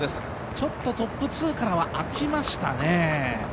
ちょっとトップ通過からあきましたね。